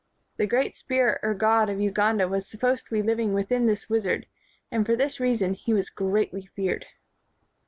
The great spirit or god of Uganda was supposed to be living within this wizard, and for this reason he was greatly feared.